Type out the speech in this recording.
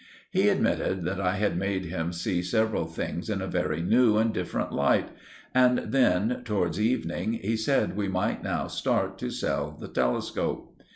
He admitted that I had made him see several things in a very new and different light, and then, towards evening, he said we might now start to sell the telescope.